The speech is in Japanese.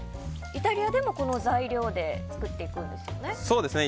イタリアでもこの材料で作っていくんですね。